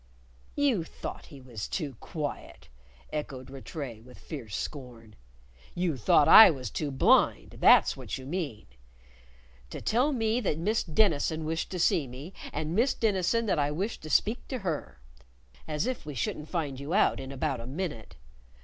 "You thought he was too quiet!" echoed Rattray with fierce scorn. "You thought I was too blind that's what you mean. To tell me that Miss Denison wished to see me, and Miss Denison that I wished to speak to her! As if we shouldn't find you out in about a minute!